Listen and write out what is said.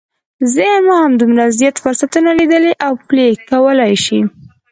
ذهن مو همدومره زیات فرصتونه ليدلی او پلي کولای شي.